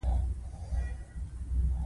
ویې ویل: دی ډېر ستړی وي، کاري بوج پرې زیات دی.